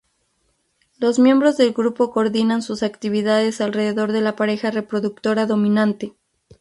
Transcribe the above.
Los miembros del grupo coordinan sus actividades alrededor de la pareja reproductora dominante.